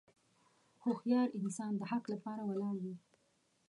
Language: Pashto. هوښیار انسان د حق لپاره ولاړ وي.